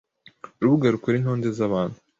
Urubuga rukora intonde z’abantu